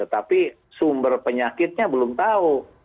tapi sumber penyakitnya belum tahu